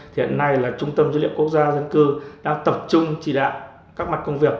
thì hiện nay trung tâm dữ liệu quốc gia về dân cư đang tập trung chỉ đạo các mặt công việc